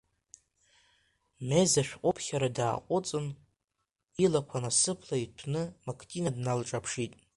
Мез ашәҟәыԥхьара дааҟәыҵын, илақәа насыԥла иҭәны Мактина дналҿаԥшит.